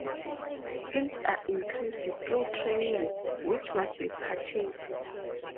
Skills are increased through training, which must be purchased.